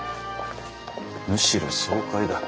むしろ爽快だ。